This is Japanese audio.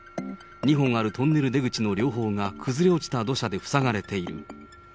２本あるトンネル出口の両方が、崩れ落ちた土砂で塞がれている。